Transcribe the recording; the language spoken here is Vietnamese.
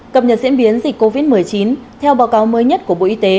cập nhật diễn biến dịch covid một mươi chín